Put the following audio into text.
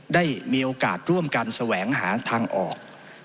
ได้มีโอกาสร่วมกันแสวงหาทางออก